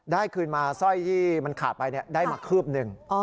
คืนมาสร้อยที่มันขาดไปได้มาคืบหนึ่ง